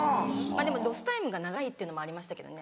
でもロスタイムが長いっていうのもありましたけどね。